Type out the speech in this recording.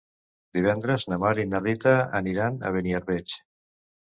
Divendres na Mar i na Rita aniran a Beniarbeig.